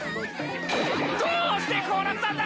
どうしてこうなったんだ！